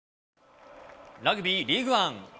ラグビーリーグワン。